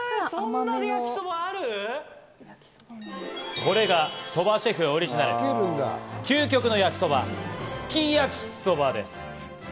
これが鳥羽シェフオリジナル、究極の焼きそば、すき焼きそばです。